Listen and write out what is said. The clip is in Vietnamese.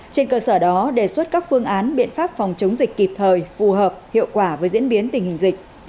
trên cơ sở đó đề xuất các phương án biện pháp phòng chống dịch kịp thời phù hợp hiệu quả với diễn biến tình hình dịch